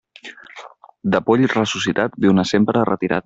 De poll ressuscitat, viu-ne sempre retirat.